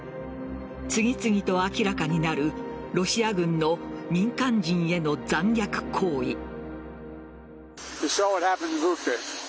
次々と明らかになるロシア軍の民間人への残虐行為。